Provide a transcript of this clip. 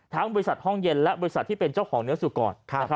บริษัทห้องเย็นและบริษัทที่เป็นเจ้าของเนื้อสุกร